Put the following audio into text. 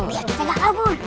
biar aku tidak kabur